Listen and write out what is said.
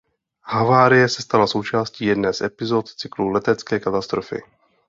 Havárie se stala součástí jedné z epizod cyklu Letecké katastrofy.